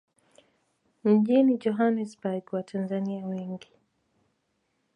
mjini Johannesburg Watanzania wengi